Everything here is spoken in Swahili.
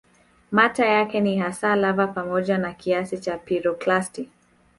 Mata yake ni hasa lava pamoja na kiasi cha piroklasti